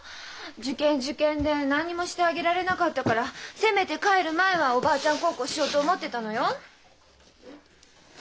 受験受験で何にもしてあげられなかったからせめて帰る前はおばあちゃん孝行しようと思ってたのよ。